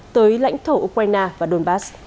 tới lãnh thổ ukraine và donbass